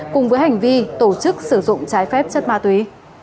cùng với hành vi tổ chức sử dụng trái phép chất ma túy